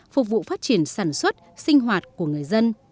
phục vụ phát triển sản xuất sinh hoạt của người dân